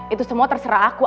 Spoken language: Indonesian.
itu semua terserah aku